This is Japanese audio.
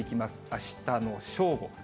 あしたの正午。